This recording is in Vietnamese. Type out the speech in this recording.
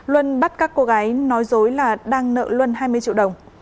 luân bắt các cô gái nói dối là đang nợ luân hai mươi triệu đồng